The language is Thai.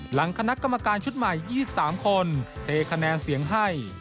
หลังคณะกรรมการชุดใหม่๒๓คนเทคะแนนเสียงให้